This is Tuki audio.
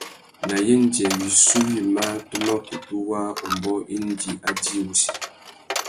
Nà yêndzê wissú wïmá tu mà kutu waā umbōh indi a djï wussi.